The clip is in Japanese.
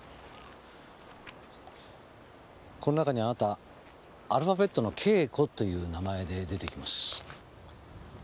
この中にあなたアルファベットの「Ｋ子」という名前で出てきます。